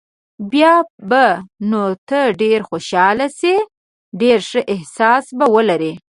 بیا به نو ته ډېر خوشاله شې، ډېر ښه احساس به ولرې.